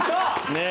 ねえ。